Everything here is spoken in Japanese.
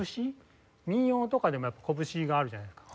民謡とかでもこぶしがあるじゃないですか。